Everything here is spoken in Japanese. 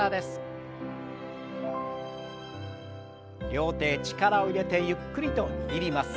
両手へ力を入れてゆっくりと握ります。